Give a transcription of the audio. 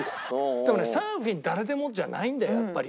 でもねサーフィン誰でもじゃないんだよやっぱり。